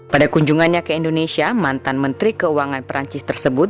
pada kunjungannya ke indonesia mantan menteri keuangan perancis tersebut